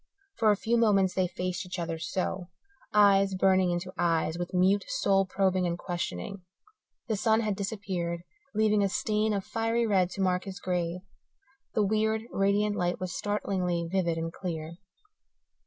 For a few moments they faced each other so, eyes burning into eyes with mute soul probing and questioning. The sun had disappeared, leaving a stain of fiery red to mark his grave; the weird, radiant light was startlingly vivid and clear.